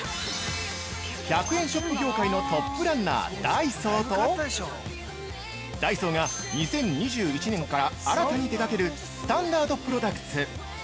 ◆１００円ショップ業界のトップランナー・ダイソーとダイソーが２０２１年から新たに手がけるスタンダードプロダクツ。